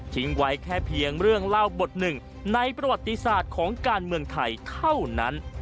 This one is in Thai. ไว้แค่เพียงเรื่องเล่าบทหนึ่งในประวัติศาสตร์ของการเมืองไทยเท่านั้น